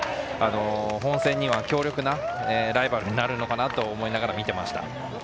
本戦には強力なライバルになるのかなと思いながら見ていました。